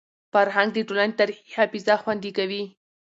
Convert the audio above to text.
فرهنګ د ټولني تاریخي حافظه خوندي کوي.